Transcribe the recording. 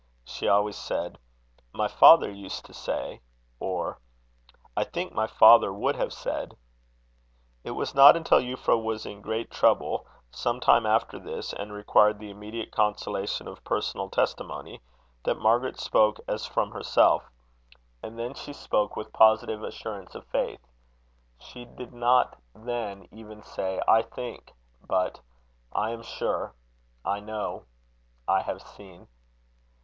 She always said: "My father used to say " or "I think my father would have said " It was not until Euphra was in great trouble some time after this, and required the immediate consolation of personal testimony, that Margaret spoke as from herself; and then she spoke with positive assurance of faith. She did not then even say I think, but, I am sure; I know; I have seen.